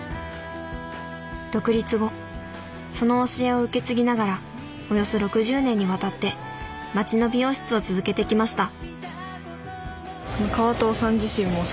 独立後その教えを受け継ぎながらおよそ６０年にわたって町の美容室を続けてきました